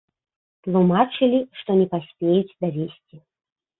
Тлумачылі, што не паспеюць давесці.